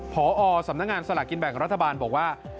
พอสำนักงานสลากกินแบ่งรัฐบาลบอกว่า